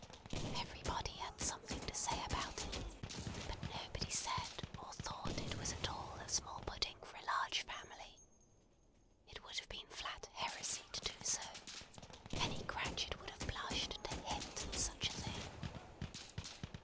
Everybody had something to say about it, but nobody said or thought it was at all a small pudding for a large family. It would have been flat heresy to do so. Any Cratchit would have blushed to hint at such a thing.